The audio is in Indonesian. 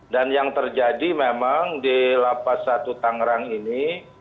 dan yang terjadi memang di la paz satu tangerang ini